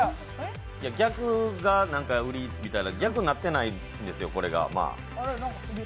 逆が売りみたいな逆になってないんですよ、これ。